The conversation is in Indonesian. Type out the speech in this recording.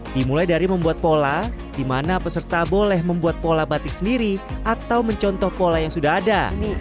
dimulai dari membuat pola di mana peserta boleh membuat pola batik sendiri atau mencontoh pola yang sudah ada